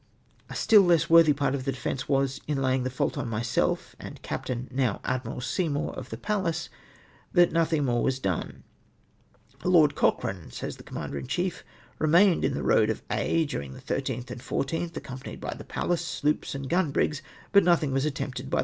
A stiU less worthy ]:)art of the defence was, in la}"ing the fault on myself and Captain, now Admiral Seymour, of the Pallas that nothing more was done. " Lord Cochrane," says the Commander in chief, " remained in the Eoad of Aix, during the loth and 11th, accom ])anied by the PaUa>^. sloops and gun brigs, but nothing ^vas attempted l)y th